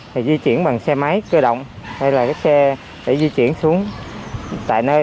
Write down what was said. thì di chuyển bằng xe máy cơ động hay là cái xe để di chuyển xuống tại nơi